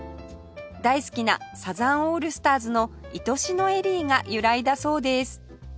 大好きなサザンオールスターズの『いとしのエリー』が由来だそうです